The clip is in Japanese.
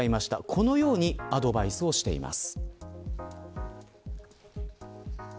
このようにアドバイスをしています。